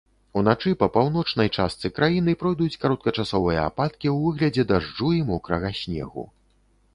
Уначы па паўночнай частцы краіны пройдуць кароткачасовыя ападкі ў выглядзе дажджу і мокрага снегу.